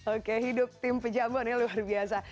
oke hidup tim pejambon ya luar biasa